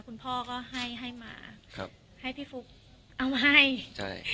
คุณพ่อก็ให้มาให้พี่ฟุ๊กเอามาให้